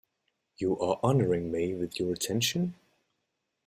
You are honouring me with your attention?